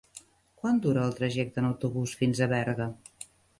Quant dura el trajecte en autobús fins a Berga?